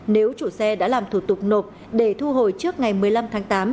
nếu chủ xe đã làm thủ tục nộp để thu hồi trước ngày một mươi năm tháng tám